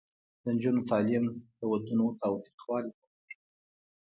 د نجونو تعلیم د ودونو تاوتریخوالی کموي.